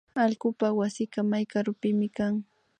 Allkupak wasika may karupimi kan